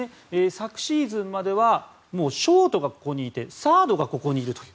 昨シーズンまではショートがここにいてサードがここにいるという。